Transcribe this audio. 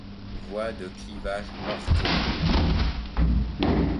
Voie de clivage ortho.